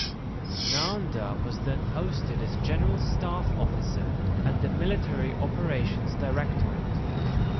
Nanda was then posted as General Staff Officer at the Military Operations Directorate.